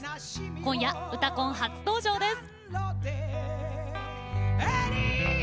今夜「うたコン」初登場です。